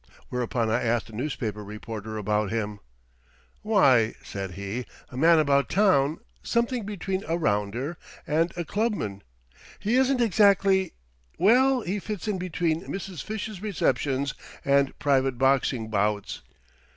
Whereupon I asked a newspaper reporter about him. "Why," said he, "a 'Man About Town' is something between a 'rounder' and a 'clubman.' He isn't exactly—well, he fits in between Mrs. Fish's receptions and private boxing bouts.